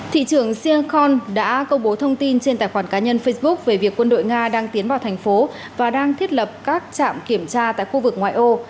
thị trưởng sieng conn đã công bố thông tin trên tài khoản cá nhân facebook về việc quân đội nga đang tiến vào thành phố và đang thiết lập các trạm kiểm tra tại khu vực ngoại ô